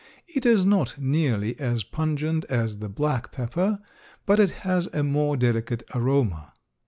It is not nearly as pungent as the black pepper, but it has a more delicate aroma.